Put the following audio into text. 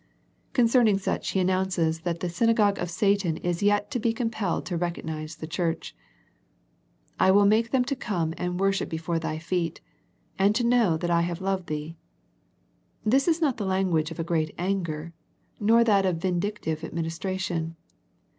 Concerning such 172 A First Century Message He announces that the synagogue of Satan is yet to be compelled to recognize the church, " I will make them to come and worship before thy feet, and to know that I have loved thee." This is not the language of a great anger, nor that of vindictive administration.